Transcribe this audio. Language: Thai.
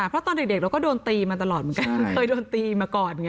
เพราะตอนเด็กเราก็โดนตีมาตลอดเหมือนกันเคยโดนตีมาก่อนไง